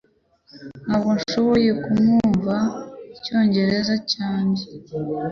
Ntabwo nashoboye kumwumva icyongereza cyanjye